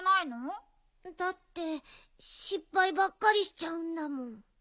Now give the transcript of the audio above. だってしっぱいばっかりしちゃうんだもん。